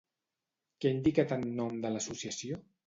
Què ha indicat en nom de l'associació?